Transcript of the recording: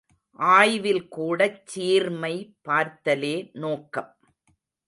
ஆய்வில் கூடச் சீர்மை பார்த்தலே நோக்கம்.